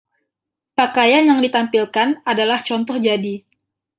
Pakaian yang ditampilkan adalah contoh jadi.